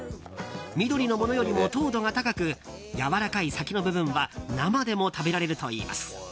緑のものよりも糖度が高くやわらかい先の部分は生でも食べられるといいます。